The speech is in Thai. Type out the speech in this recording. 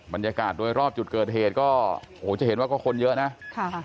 บรรยากาศโดยรอบจุดเกิดเหตุก็โอ้โหจะเห็นว่าก็คนเยอะนะค่ะ